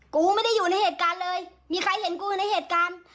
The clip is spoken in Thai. กูไม่ได้อยู่ในเหตุการณ์เลยมีใครเห็นกูอยู่ในเหตุการณ์